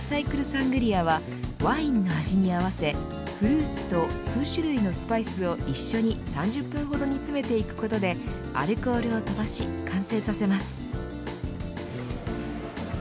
サングリアはワインの味に合わせフルーツと数種類のスパイスを一緒に３０分ほど煮詰めていくことでアルコールを飛ばし完成させます。